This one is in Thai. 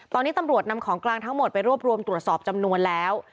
ตอนนี้ตำรวจนำของกลางทั้งหมดไปรวบรวมตรวจสอบจำนวนแล้ว